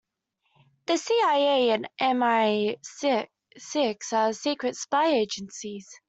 The CIA and MI-Six are secret spy agencies.